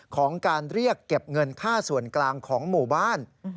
ของการเรียกเก็บเงินค่าส่วนกลางของหมู่บ้าน